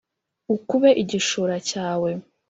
ukube igishura cyawe